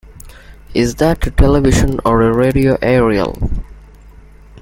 Is that a television or a radio aerial?